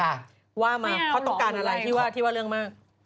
ว่ามาเขาต้องการอะไรที่ว่าที่ว่าเรื่องมาก